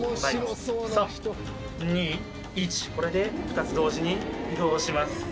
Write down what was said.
これで２つ同時に移動します。